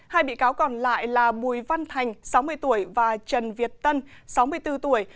hai bị cáo còn lại là bùi văn thành sáu mươi tuổi và trần việt tân sáu mươi bốn tuổi